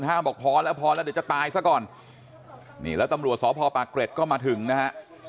บอกพอแล้วพอแล้วเดี๋ยวจะตายซะก่อนนี่แล้วตำรวจสพปากเกร็ดก็มาถึงนะฮะ